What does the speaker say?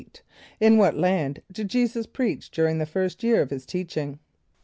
= In what land did J[=e]´[s+]us preach during the first year of his teaching?